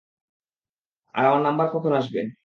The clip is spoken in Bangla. আর আমার নাম্বার কখন আসবে?